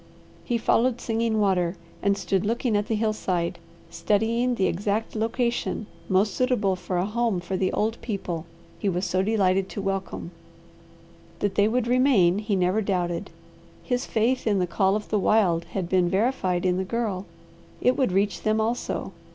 He followed Singing Water, and stood looking at the hillside, studying the exact location most suitable for a home for the old people he was so delighted to welcome. That they would remain he never doubted. His faith in the call of the wild had been verified in the Girl; it would reach them also.